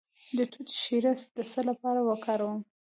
د توت شیره د څه لپاره وکاروم؟